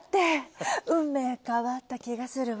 「運命変わった気がするわ」